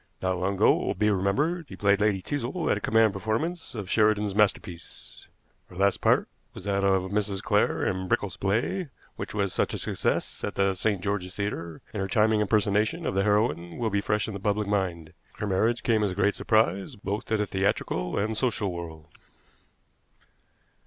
Not long ago, it will be remembered, she played Lady Teazle at a command performance of Sheridan's masterpiece. Her last part was that of Mrs. Clare in Brickell's play, which was such a success at the St. George's Theater, and her charming impersonation of the heroine will be fresh in the public mind. Her marriage came as a great surprise, both to the theatrical and social world.'